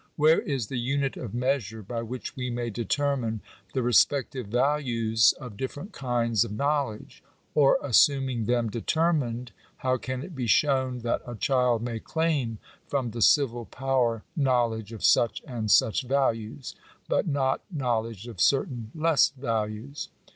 Where is the unit of measure by which we may determine the re spective values of different kinds of knowledge? Or, assuming them determined, how can it be shown that a child may claim from the civil power knowledge of such and such values, but not knowledge of certain less values?